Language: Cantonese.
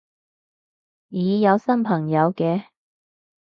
咦有新朋友嘅